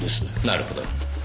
なるほど。